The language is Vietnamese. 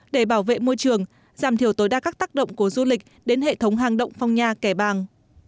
để bảo vệ môi trường giảm thiểu tối đa các tác động của du lịch đến hệ thống hàng động phong nha kẻ bàng